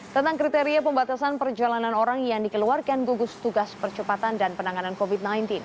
tentang kriteria pembatasan perjalanan orang yang dikeluarkan gugus tugas percepatan dan penanganan covid sembilan belas